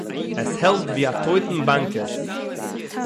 עס העלפֿט ווי אַ טויטן באַנקעס.